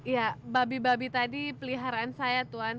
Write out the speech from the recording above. ya babi babi tadi peliharaan saya tuhan